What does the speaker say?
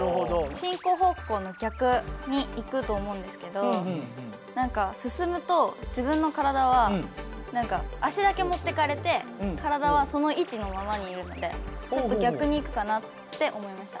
進行方向の逆に行くと思うんですけど進むと自分の体は足だけ持ってかれて体はその位置のままにいるのでちょっと逆に行くかなって思いました。